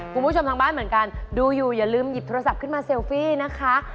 คุณผู้ชมทางบ้านเหมือนกันดูอยู่อย่าลืมหยิบโทรศัพท์ขึ้นมาเซลฟี่นะคะ